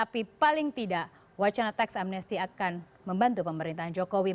paling tidak wacana tax amnesty akan membantu pemerintahan jokowi